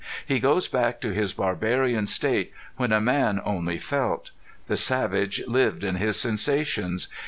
He goes back to his barbarian state when a man only felt. The savage lived in his sensations.